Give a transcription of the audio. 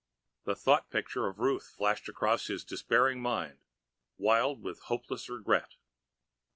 The thought picture of Ruth flashed across his despairing mind, wild with hopeless regret.